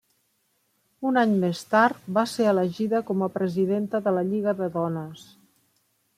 Un any més tard va ser elegida com a Presidenta de la Lliga de Dones.